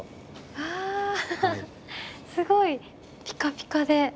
あすごいピカピカで。